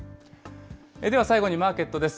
では、最後にマーケットです。